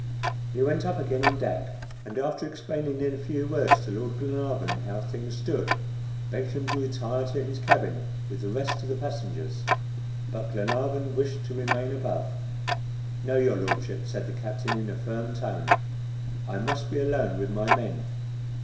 He went up again on deck, and after explaining in a few words to Lord Glenarvan how things stood, begged him to retire to his cabin, with the rest of the passengers. But Glenarvan wished to remain above. "No, your Lordship," said the captain in a firm tone, "I must be alone with my men.